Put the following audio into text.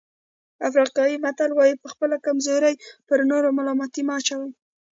افریقایي متل وایي په خپله کمزوري پر نورو ملامتي مه اچوئ.